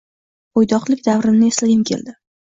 Boʻydoqlik davrimni eslagim keldi